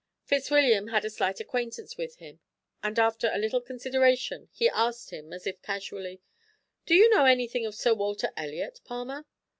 Fitzwilliam had a slight acquaintance with him, and after a little consideration he asked him, as if casually: "Do you know anything of Sir Walter Elliot, Palmer?"